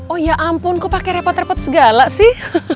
oh ya ampun kok pakai repot repot segala sih